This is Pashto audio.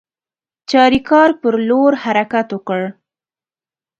چاریکار پر لور حرکت وکړ.